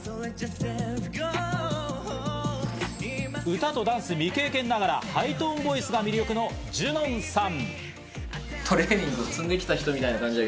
歌とダンス未経験ながらハイトーンボイスが魅力のジュノンさん。